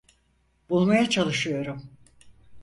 Bulmaya çalışıyorum.